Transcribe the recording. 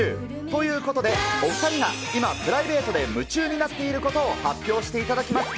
ということで、お２人が今、プライベートで夢中になっていることを発表してもらいます。